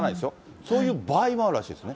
そういう場合もあるらしいですね。